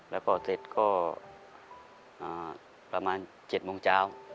แล้วก็เสร็จก็ประมาณ๗โมงเช้า